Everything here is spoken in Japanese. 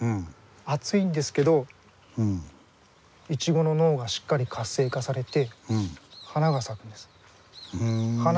暑いんですけどイチゴの脳がしっかり活性化されて花が咲くんです。